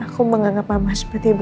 aku menganggap apa seperti ibu